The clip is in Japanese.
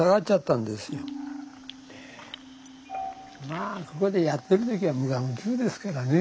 まあここでやってる時は無我夢中ですからね。